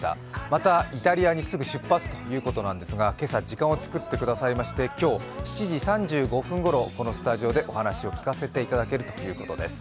またイタリアにすぐ出発ということなんですが、今朝時間を作ってくださいまして今日、７時３５分ごろ、このスタジオでお話を聞かせていただけるということです。